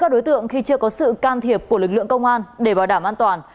các đối tượng khi chưa có sự can thiệp của lực lượng công an để bảo đảm an toàn